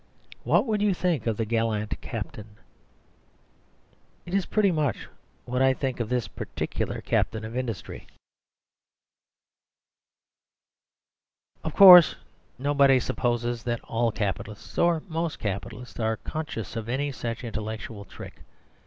What would you think of the gallant captain? It is pretty much what I think of this particular captain of industry. Of course, nobody supposes that all Capitalists, or most Capitalists, are conscious of any such intellectual trick.